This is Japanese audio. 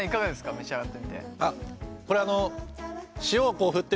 召し上がってみて。